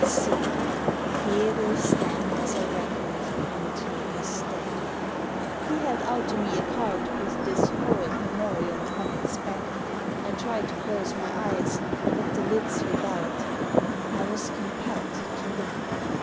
See, here they stand as a record unto this day." He held out to me a card with this horrid memorial upon its back. I tried to close my eyes, but the lids rebelled. I was compelled to look.